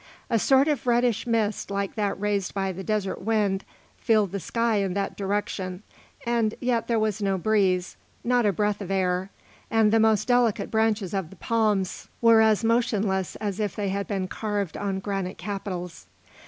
A sort of reddish mist like that raised by the desert wind filled the sky in that direction, and yet there was no breeze, not a breath of air, and the most delicate branches of the palms were as motionless as if they had been carved on granite capitals.